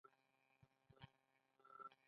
میږیان ډیر منظم ژوند لري